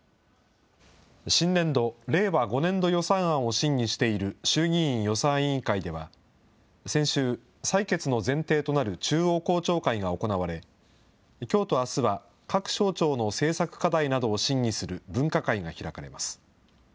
新年度・令和５年度予算案を審議している衆議院予算委員会では、先週、採決の前提となる中央公聴会が行われ、きょうとあすは、各省庁の政策課題などを審議する分科会が開かれます。